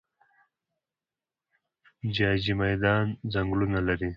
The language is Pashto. جاجي میدان ځنګلونه لري؟